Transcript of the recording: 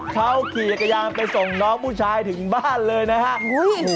เขาขี่จักรยานไปส่งน้องผู้ชายถึงบ้านเลยนะครับ